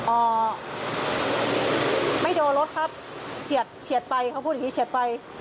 เอ่อไม่เดินรถครับเฉียดไปเขาพูดอย่างนี้เฉียดไป